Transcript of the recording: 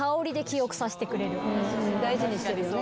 大事にしてるよね